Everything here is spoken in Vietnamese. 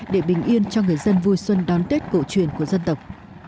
để bình yên cho người dân vui xuân đón tết cổ truyền của dân tộc